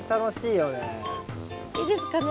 いいですかね？